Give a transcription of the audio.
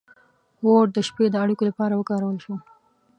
• اور د شپې د اړیکو لپاره وکارول شو.